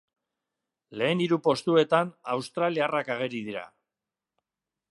Lehen hiru postuetan australiarrak ageri dira.